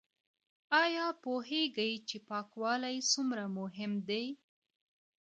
ایا پوهیږئ چې پاکوالی څومره مهم دی؟